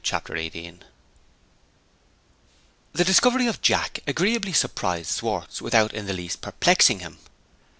CHAPTER XVIII The discovery of Jack agreeably surprised Schwartz, without in the least perplexing him.